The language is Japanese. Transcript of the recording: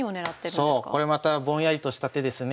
そうこれまたぼんやりとした手ですね。